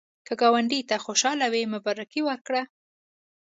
که ګاونډي ته خوشالي وي، مبارکي ورکړه